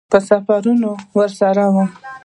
په سفرونو کې ورسره وم.